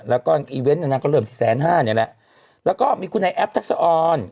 แล้วก็อีเวนต์นางก็เริ่มที่แสนห้าเนี่ยแหละแล้วก็มีคุณไอแอปทักษะออน